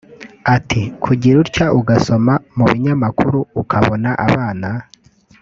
Ati “Ukagira utya ugasoma mu binyamakuru ukabona abana